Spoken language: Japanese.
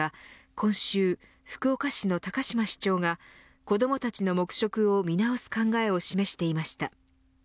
今週、福岡市の高島市長が子どもたちの黙食を見直す考えを示していました。